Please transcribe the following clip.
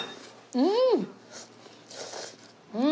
うん。